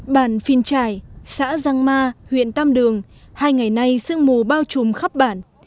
bản phin trải xã giang ma huyện tam đường hai ngày nay sương mù bao trùm khắp bản